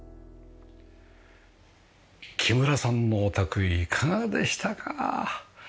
木村さんのお宅いかがでしたか？